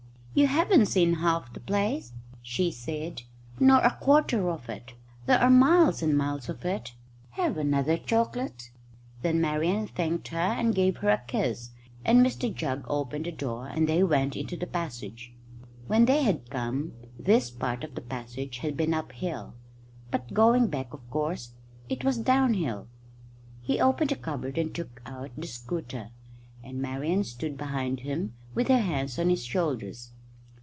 "You haven't seen half the place," she said, "nor a quarter of it. There are miles and miles of it. Have another chocolate." Then Marian thanked her and gave her a kiss, and Mr Jugg opened the door and they went into the passage. When they had come this part of the passage had been uphill, but going back, of course, it was downhill. He opened the cupboard and took out the scooter, and Marian stood behind him with her hands on his shoulders.